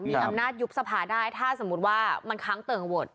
มีอำนาจยุบสภาได้ถ้าสมมุติว่ามันค้างเติ่งโหวต